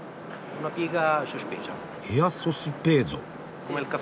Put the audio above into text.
「ヘア・ソスペーゾ」。